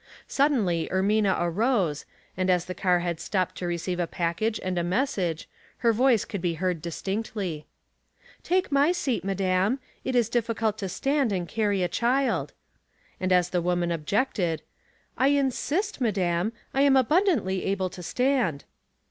Suddenly Ermina arose, and as the car had stopped to receive a package and a message, her voice could be heard distinctly. "'Take my seat, madam. It is difficult to stand and carry a child," and, as the woman ob jected, " I insist, madam. I am abundantly able to stand."